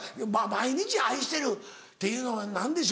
毎日「愛してる」って言うのは何でしょ？